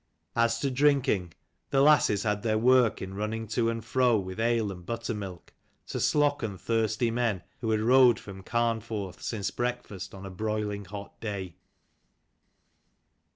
As to drinking, the lasses had their work in running to and fro with ale and buttermilk, to slocken thirsty men who had rowed from Carnforth since breakfast on a broiling hot day.